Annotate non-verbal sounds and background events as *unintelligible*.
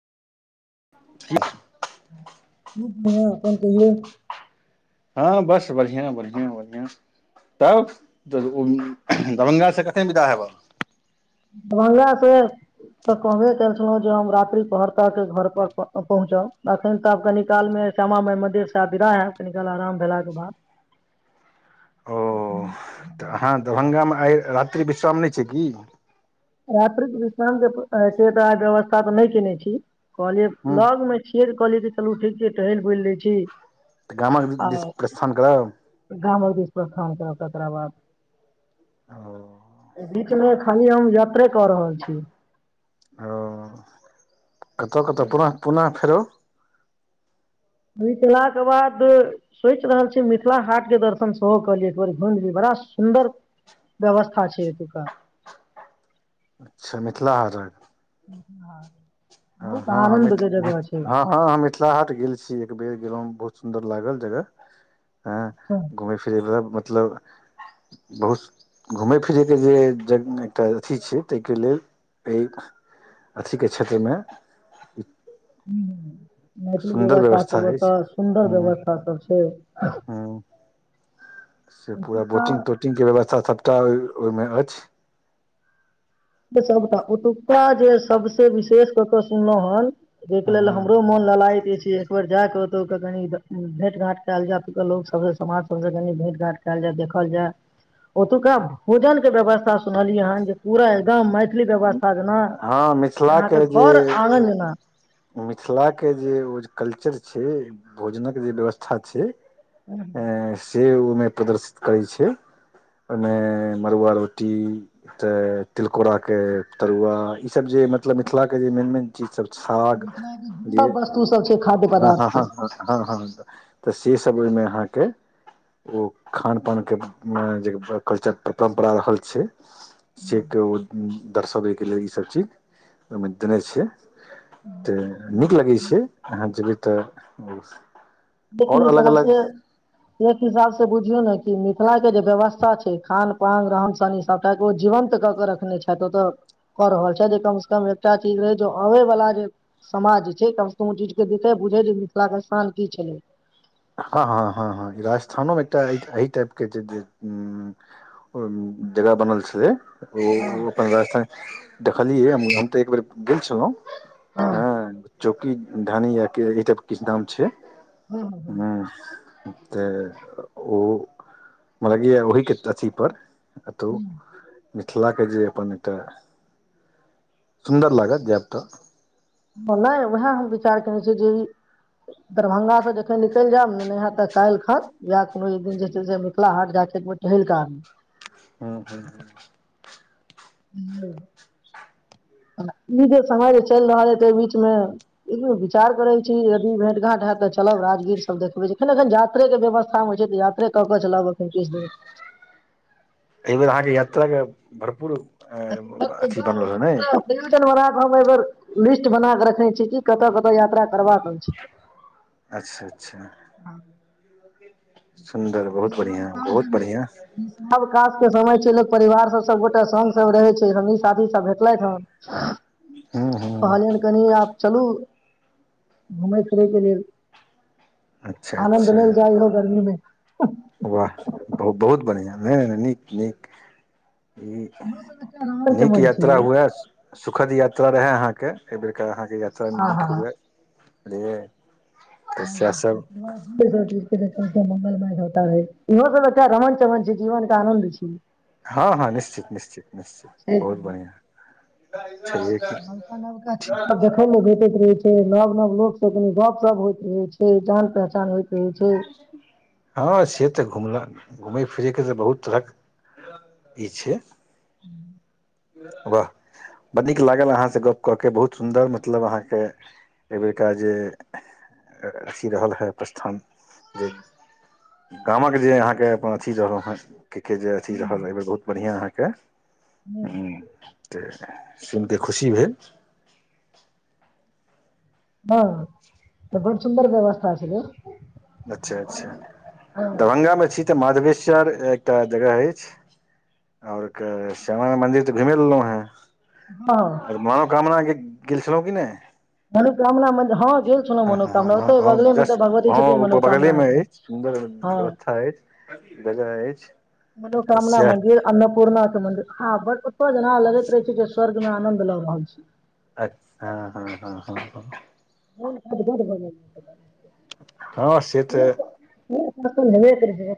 ठ *inaudible* न अपन कहियौ हाँ बस बढ़ियाॅं बढ़ियाॅं बढ़ियाॅं तब तऽ ओ दरभ्ंगासे कतेक विदा हेबह दरभंगा से त कहबे केलखिन हम रात्रि पहर त के घर पर पहुँचब त निकाल मे श्यामाई मंदिर से विदा हैब कनिकाल आराम भेला के बाद *inaudible* *unintelligible* आ रात्रि विश्राम नहि छै कि रात्रिक विश्रामके छै तऽ आ व्यवस्था तऽ नहि कयने छी कहलियै हूँ लगमे छियै तऽ कहलियै चलू ठीक छै टहल बुलि लै छी तऽ गामक आ दिस प्रस्थान करब गामक बीच प्रस्थान करेब तकरा बाद ओ बीच मे खाली हम यात्रे क रहल छी ओ कतहु कतहु पुनः पुनः फेरो मिथिला के बाद सोचि रहल छी मिथिला हाट के दर्शन सेहो कलिय एकबर भज भी बड़ा सुन्दर व्यवस्था छै एतुका अच्छा मिथिला हटक हाँ हाँ मि हाँ हाँ मिथिला हाट गेल छी एक बेर गेलहु बहु सुन्दर लागल जगह हाँ घुमै फिरैला मतलब बहुत घूमय फिरयके जे ज एकटा अथि छै ताहिके लेल एहि अथीके क्षेत्रमे ई मैथिली व्यवस्था व्यवस्थासब ओतय सुन्दर व्यवस्थासब छै हाँ से पूरा बोटिंग एतुका तोटिंगके व्यवस्था सभटा ओहिमे अइछ टा ओतुका जे सबसे विशेष क के सुनलो हन जेहि के लेल हँ हमरो मोन लला एक बेर जाय केत कनि भेंट घाट कल जा लोक सब समाज सब से कनी भेंट घाट कल जाय देखल जाय ओतुका भोजन के व्यवस्था सुनलियै हन जे पूरा एकदम मैथिली व्यवस्था जेना हाँ अहाँके मिथिलाके जे घर आङ्गन जेना मिथिलाके जे ओ जे कल्चर छै भोजनक जे व्यवस्था छै अ से ओहिमे प्रदर्शित करै छै ओहिमे मड़ुआ रोटी तऽ तिलकोरा के तरुआ ई सब जे मतलब मिथिला के जे मेन मेन चीज सब छै खाग जे सभ वस्तुसभ छै खाद्य ह ह ह पदार्थके ह ह ह तऽ से *unintelligible* तब ओहि में आहाॅं के ओ खान पान के मे जे कल्चर परम्परा रहल छै से त दर्शाबैके लेल ई सब चीज ओहिमे देने छियै तऽ नीक लगै छै अहाँ जेबै तऽ लेकिन अलग अलग हिसाबसे एक हिसाब से बुझियौ ने कि मिथिला के जे व्यवस्था छै खान पान रहन सहन ई सबटा ओ जीवन त कऽ के रखने छ ओतऽ कऽ रहल छै जे कम से कम एकटा चीज रहै जे आबे वाला जे समाज छै कम से कम ओ चीज के देखि बुझ जे मिथिला के स्थान की छलै हाँ हाँ हाँ हाँ राजस्थानोमे एकटा एहि टाइपके जे ओ जगह बनल छलै हँ ओ अपन राजस्थान देखलियै हम तऽ एक बेर गेल छलहुँ हँ हाँ चौकी धानी या ई सब किछ नाम छै हँ हू तऽ ओ म लाग य ओहि के अथि पर तऽ मिथिलाके जे अपन एकटा सुन्दर लागत जायब तऽ नहिएह विचार केने छै जे इ दरभंगा से जखन निकलि जायब ने नह तऽ काल्हि खन या कोनो दिन जे छै से मिथिला हाट जा एक बेर टहल कार हू ह ह *inaudible* ह *inaudible* ई जे समय जे चलि रहल ह तै बीचमे एकबेर विचार करै छी यदि भेट घाँट हय तऽ चलब राजगीर सब देखबै छैख एखन यात्रे के व्यवस्था मे होइ छै तऽ यात्रे कऽ के चलब एखन किछु दिन मे एहि बेेर अहाँके यात्राके भरपूर अथी बनल हँ ने पूरा प्रयोजनरा *inaudible* हम एहि बेर लिस्ट बना क रखने छी कि कतऽ कतऽ यात्रा करबा छै अच्छा अच्छा सुन्दर विश बहुत बढ़िआँ कह जे बहुत बढ़िआँ विश *inaudible* आकाश के समय छै लोक परिवार सब सबगोटा स सब रहै छै हमी साथी सब भेटलेहं हूँ हूँ कहलियनि कनि आप चलू घुमय फिरैके लेल अच्छा आनन्द अच्छा लेल जाइ हो गर्मी मे वाह ब बहुत बढ़िआ नहि नहि नहि नीक नीक इहो सब एकटा ई नीक रोमांचमय यात्रा छै हुए सुखद यात्रा यात्रा रहै अहाँके एहिबरके अहाँके यात्रा नीक आहा हुए बुझलियै *inaudible* तऽ सएह सब मंगलमय होताै इहो सब अच्छा रमन चमन छै जीवन के आनंन्द छै हँ हँ निश्चित निश्चित निश्चित बहुत बढ़िआँ छैहे कि नका नलका जखम होगे ते नव नव लोक सब कनी गप सप होइत रहे छै जान पहचान हो हँ से तऽ घुमला ने घुमै फिरैके तऽ बहुत तरहक ई छै वाह एहिबेरका जे अथी रहल हए प्रस्थान जे गामक जे अहाँके अपन अथी रहलहुँ हेँ कि के जे अथी रहल एहिमे बहुत बढ़िआँ अहाँके ह्म तऽ सुनि कऽ खुशी भेल हँ बड़ सुन्दर व्यवस्था छलय अच्छा अच्छा हँ दरभ्ंगा मे छी मधवेश्वर एकटा जगह अछि आओर श्यामाय मंन्दिर तऽ घुमि लेलहु हैं आर मनोकामना गेल छलहु की नहि मनुकारमना मंदिर हँ गेल छलहुँ हँ मनोकामना हँ ओते ह बगले मे तऽ जस्ट भगवती हँ छथिन ओ मनोकामना बगलेमे के अछि सुन्दर हँ व्यवस्था अछि जगह अछि तऽ मनोकामना सएह मन्दिर अन्नपूर्णा मन्दिर हँ बड उत्प जेना लगैत रहे छै जे स्वर्ग में आनंद ल रहल छै अच्छा हँ हँ हँ हँ हँ ह ब ब ब *inaudible* हँ से तऽ सुनब त *inaudible*